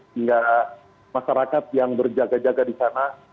hingga masyarakat yang berjaga jaga di sana